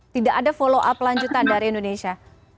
tidak ada follow up lanjutan dari indonesia